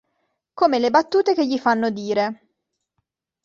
Come le battute che gli fanno dire".